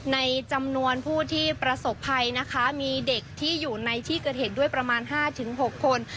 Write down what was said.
ในจำนวนผู้ที่ประสบภัยนะคะมีเด็กที่อยู่ในที่เกิดเหตุด้วยประมาณ๕๖คน